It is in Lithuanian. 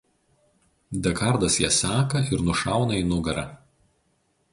Dekardas ją seka ir nušauna į nugarą.